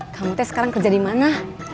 kamu teh sekarang kerja di mana